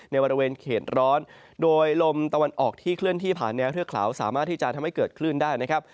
ในบริเวณเขตร้อนโดยลมตะวันออกที่เคลื่อนที่ผ่านแนวเทือกเขาสามารถที่จะทำให้เกิดคลื่นได้นะครับ